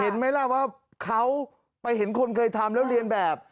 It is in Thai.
เห็นไหมล่ะว่าเขาไปเห็นคนเคยทำแล้วเรียนแบบ